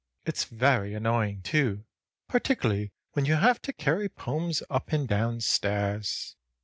"It's very annoying, too, particularly when you have to carry poems up and down stairs."